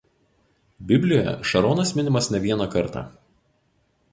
Biblijoje Šaronas minimas ne vieną kartą.